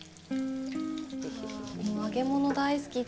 揚げ物大好きで。